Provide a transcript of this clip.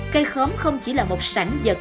cây khóm không chỉ là một sản dật